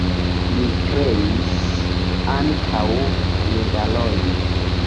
Li kreis ankaŭ medalojn.